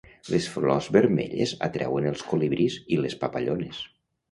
Les flors vermelles atreuen els colibrís i les papallones.